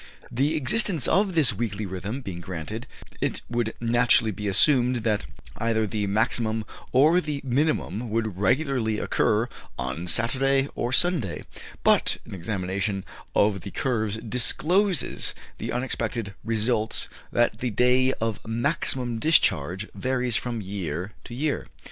The existence of this weekly rhythm being granted, it would naturally be assumed that either the maximum or the minimum would regularly occur on Saturday or Sunday; but an examination of the curves discloses the unexpected result that the day of maximum discharge varies from year to year.